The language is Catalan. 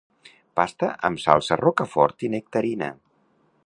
Pasta amb salsa rocafort i nectarina.